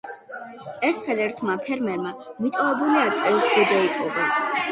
ერთხელ ერთმა ფერმერმა მიტოვებული არწივის ბუდე იპოვა